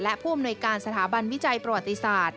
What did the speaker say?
และผู้อำนวยการสถาบันวิจัยประวัติศาสตร์